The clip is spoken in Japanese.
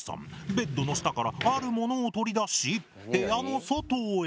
ベッドの下からあるものを取り出し部屋の外へ。